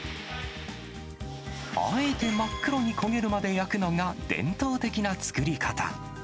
あえて真っ黒に焦げるまで焼くのが、伝統的な作り方。